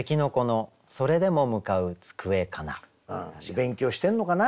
勉強してんのかな